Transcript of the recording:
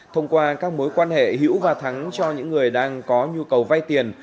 thông qua các mối quan hệ hữu và thắng cho những người đang có nhu cầu vay tiền